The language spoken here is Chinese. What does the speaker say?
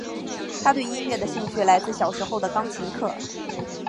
她对音乐的兴趣来自小时候的钢琴课。